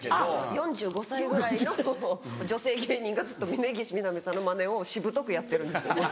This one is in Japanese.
４５歳ぐらいの女性芸人がずっと峯岸みなみさんのマネをしぶとくやってるんです。